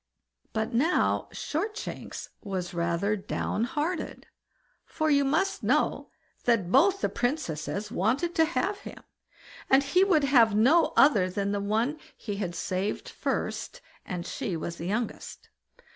But now Shortshanks was rather down hearted, for you must know that both the princesses wanted to have him, and he would have no other than the one he had first saved, and she was the youngest.